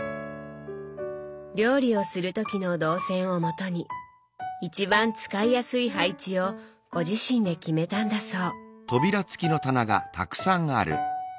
料理をする時の動線をもとに一番使いやすい配置をご自身で決めたんだそう。